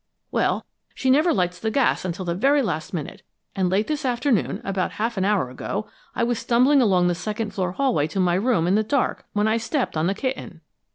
Well, she never lights the gas until the very last minute, and late this afternoon, about half an hour ago, I was stumbling along the second floor hallway to my room in the dark, when I stepped on the kitten.